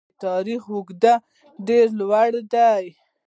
د تاریخ زړه ډېر لوی دی.